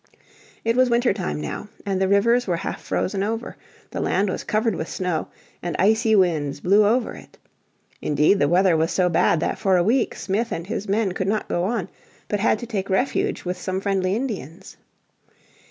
It was winter time now, and the rivers were half frozen over, the land was covered with snow, and icy winds blew over it. Indeed the weather was so bad that for a week Smith and his men could not go on, but had to take refuge with some friendly Indians.